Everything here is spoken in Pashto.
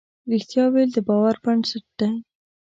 رښتیا ویل د باور بنسټ دی.